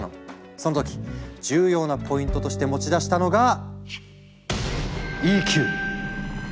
その時重要なポイントとして持ち出したのが「ＥＱ」！